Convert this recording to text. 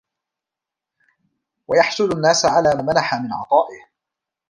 وَيَحْسُدُ عَلَى مَا مَنَحَ مِنْ عَطَائِهِ